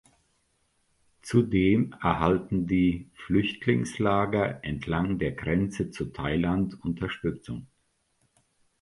Zudem erhalten die Flüchtlingslager entlang der Grenze zu Thailand Unterstützung.